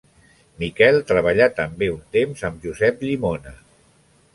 Miquel treballà també un temps amb Josep Llimona.